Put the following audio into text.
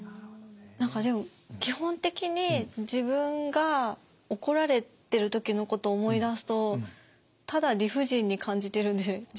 何かでも基本的に自分が怒られてる時のことを思い出すとただ理不尽に感じてるんですよね。